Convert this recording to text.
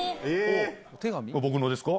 僕のですか？